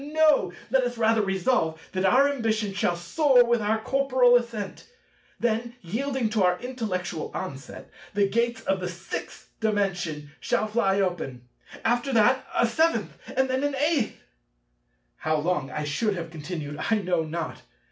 Ah, no! Let us rather resolve that our ambition shall soar with our corporal ascent. Then, yielding to our intellectual onset, the gates of the Six Dimension shall fly open; after that a Seventh, and then an Eighth— How long I should have continued I know not.